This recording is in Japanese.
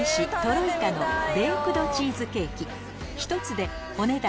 １つでお値段